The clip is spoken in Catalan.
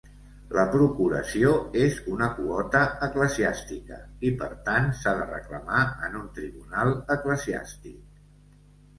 La procuració és una quota eclesiàstica i, per tant, s'ha de reclamar en un tribunal eclesiàstic.